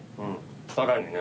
さらにね。